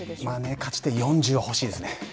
勝ち点、４０は欲しいですね。